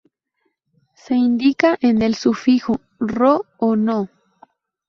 Se indica con el sufijo -ro o -no.